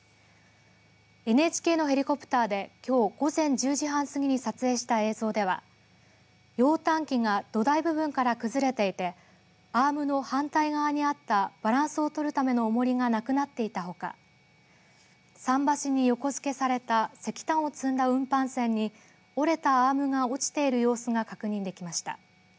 ＮＨＫのヘリコプターできょう午前１０時半過ぎに撮影した映像では揚炭機が土台部分から崩れていてアームの反対側にあったバランスを取るためのおもりがなくなっていたほか桟橋に横付けされた石炭を積んだ運搬船に折れたアームが落ちている様子が確認できました。